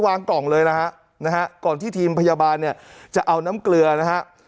วางกล่องเลยนะฮะนะฮะก่อนที่ทีมพยาบาลเนี่ยจะเอาน้ำเกลือนะฮะ